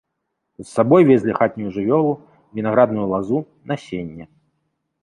З сабою везлі хатнюю жывёлу, вінаградную лазу, насенне.